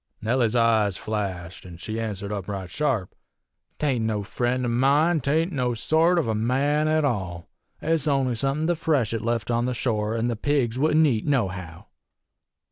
"Nellie's eyes flashed, an' she answered up right sharp: ''T ain't no friend of mine. 'T ain't no sort of a man at all. It's only somethin' the freshet left on the shore, an' the pigs wouldn't eat nohow.'